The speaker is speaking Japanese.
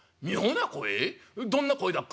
どんな声だっか？」。